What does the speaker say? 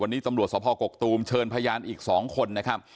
วันนี้ตำรวจสภกกตูมเชิญพยานอีก๒คนนะครับ